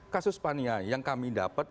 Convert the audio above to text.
kasus pania yang kami dapat